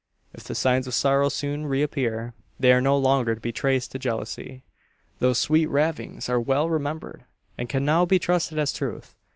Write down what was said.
If the signs of sorrow soon reappear, they are no longer to be traced to jealousy. Those sweet ravings are well remembered, and can now be trusted as truth.